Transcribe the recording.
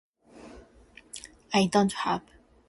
I don't have.